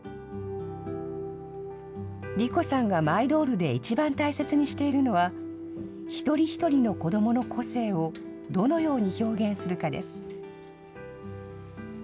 莉心さんがマイドールで一番大切にしているのは、一人一人の子どもの個性をどのように表現するかです。